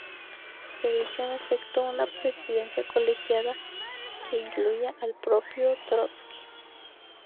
Se eligió en efecto una presidencia colegiada, que incluía al propio Trotski.